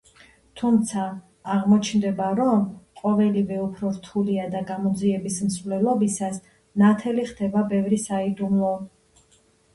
თუმცა, აღმოჩნდება, რომ ყოველივე უფრო რთულია და გამოძიების მსვლელობისას ნათელი ხდება ბევრი საიდუმლო.